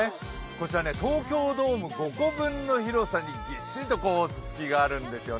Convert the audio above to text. こちら、東京ドーム５個分の広さにびっしりとすすきがあるんですよ。